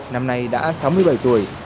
năm nay đã sáu mươi bảy tuổi